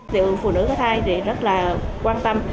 điều phụ nữ có thai thì rất là quan tâm